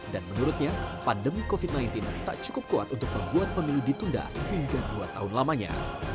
dan menurutnya pandemi covid sembilan belas tak cukup kuat untuk membuat pemilu ditunda hingga dua tahun lamanya